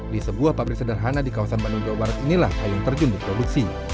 di sebuah pabrik sederhana di kawasan bandung jawa barat inilah payung terjun diproduksi